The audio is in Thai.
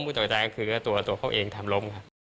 ก็ตกแต้งคือตัวตัวเขาเองทำล้ม